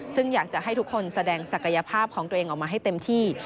ซึ่งอยากจะให้ทุกคนแสดงศักยภาพของตัวเองออกมาให้เต็มที่